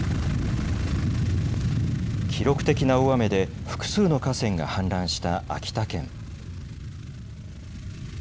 記録的な大雨で複数の河川が氾濫した秋田県。